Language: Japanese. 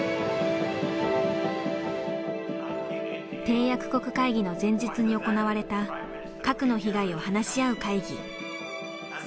締約国会議の前日に行われた核の被害を話し合う会議。